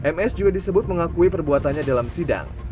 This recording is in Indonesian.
ms juga disebut mengakui perbuatannya dalam sidang